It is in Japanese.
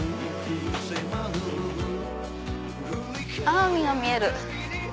あ海が見える。